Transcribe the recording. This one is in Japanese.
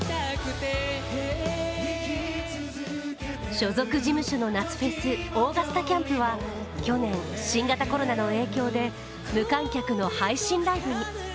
所属事務所の夏フェス、オーガスタキャンプは去年、新型コロナの影響で無観客の配信ライブに。